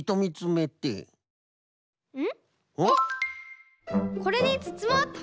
あっこれにつつもうっと！